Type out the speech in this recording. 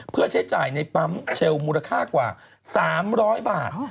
เพื่อใช้จ่ายในปั๊มเชลมูลค่ากว่า๓๐๐บาท